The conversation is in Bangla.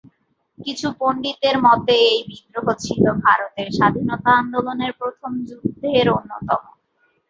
কিছু পন্ডিতের মতে এই বিদ্রোহ ছিল ভারতের স্বাধীনতা আন্দোলনের প্রথম যুদ্ধের অন্যতম।